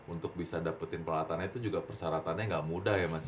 untuk bisa dapetin pelatangannya itu juga persyaratannya nggak mudah ya mas ya